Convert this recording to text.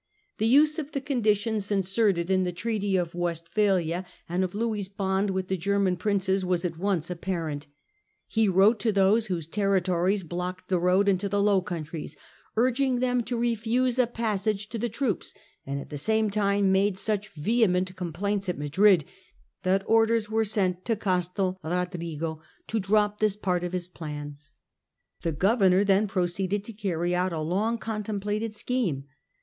The use of the conditions inserted in the Treaty of Westphalia and of Louis's bond with the German princes was at once ap parent. He wrote to those whose territories blocked the road into the Low Countries, urging them to refuse a pas sage to the troops, and at the same time made such vehe ment complaints at Madrid that orders were sent to Castel Rodrigo to drop this part of his design. The Governor then proceeded to carry out a long contem plated scheme.